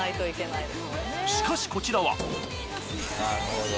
しかしこちらは。